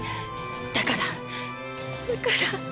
だからだから。